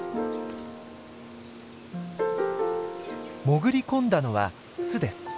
潜り込んだのは巣です。